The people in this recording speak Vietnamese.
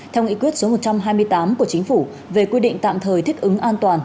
theo nghị quyết số một trăm hai mươi tám của chính phủ về quy định tạm thời thích ứng an toàn